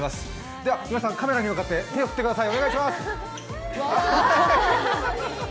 では皆さん、カメラに向かって手を振ってください。